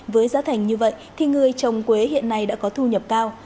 với giá thành như vậy thì người trồng quế hiện nay đã có thu nhập cao